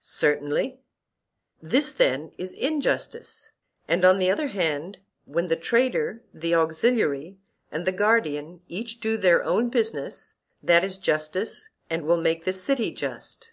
Certainly. This then is injustice; and on the other hand when the trader, the auxiliary, and the guardian each do their own business, that is justice, and will make the city just.